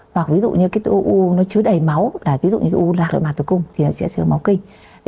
hoặc ví dụ như tổ u chứa đầy máu ví dụ như u lạc ở mặt tổ cung thì sẽ sửa máu kinh